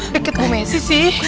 pikir bu messi sih